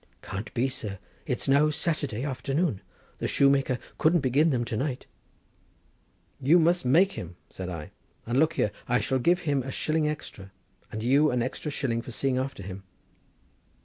"Can't be, sir; it's now Saturday afternoon, and the shoemaker couldn't begin them to night!" "But you must make him!" said I; "and look here, I shall give him a shilling extra, and you an extra shilling for seeing after him."